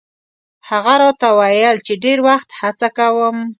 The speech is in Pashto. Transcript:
هغه راته ویل چې ډېر وخت هڅه کوم.